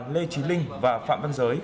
lê trí linh và phạm văn giới